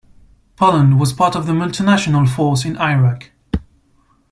Poland was a part of the multinational force in Iraq.